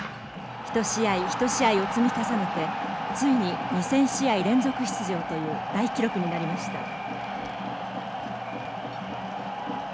一試合一試合を積み重ねてついに２，０００試合連続出場という大記録になりました。